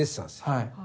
はい。